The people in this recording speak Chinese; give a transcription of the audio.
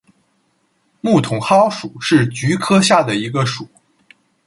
木筒篙属是菊科下的一个属。